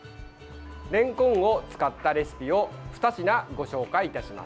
れんこんを使ったレシピを２品ご紹介いたします。